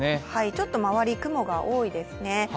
ちょっと周り、雲が多いですね。